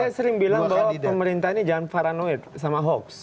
saya sering bilang bahwa pemerintah ini jangan paranoid sama hoax